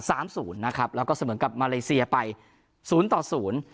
สามศูนย์นะครับแล้วก็เสมอกับมาเลเซียไปศูนย์ต่อศูนย์